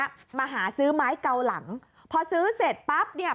มาหาซื้อไม้เกาหลังพอซื้อเสร็จปั๊บเนี่ย